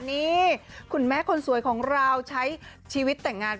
นี่คุณแม่คนสวยของเราใช้ชีวิตแต่งงาน